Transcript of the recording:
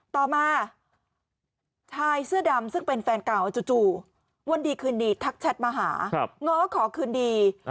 ต่อมาชายเสื้อดำซึ่งเป็นแฟนเก่าจู่วันดีคืนดีทักแชทมาหาง้อขอคืนดี